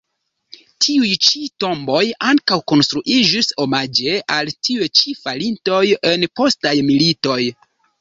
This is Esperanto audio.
Tiuj ĉi tomboj ankaŭ konstruiĝis omaĝe al tiuj ĉi falintoj en postaj militoj.